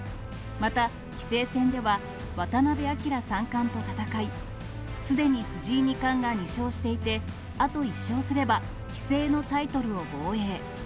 また、棋聖戦では渡辺明三冠と戦い、すでに藤井二冠が２勝していて、あと１勝すれば棋聖のタイトルを防衛。